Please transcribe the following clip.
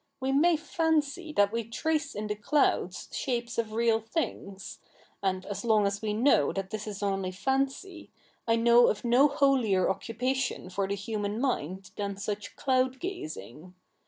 We may fancy that we trace in the clouds shapes of real things ; and, as long as we know that this is only fancy, I know of no holier occupation for the human mind than such cloud gazing.